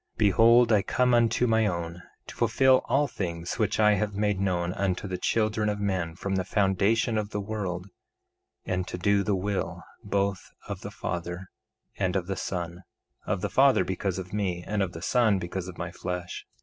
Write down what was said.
1:14 Behold, I come unto my own, to fulfill all things which I have made known unto the children of men from the foundation of the world, and to do the will, both of the Father and of the Son—of the Father because of me, and of the Son because of my flesh.